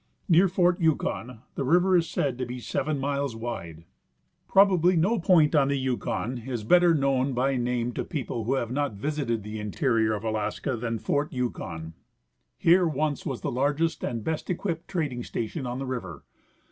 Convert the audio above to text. Near fort Yukon the river is said to be seven miles wide. Removal of Fort Yukon. 185 Probably no point on the Yukon is better known by name to people who have not visited the interior of Alaska than fort Yukon. Here once was the largest and best equipped trading station on the river.